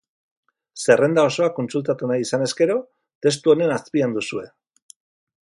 Zerrenda osoa kontsultatu nahi izanez gero, testu honen azpian duzue.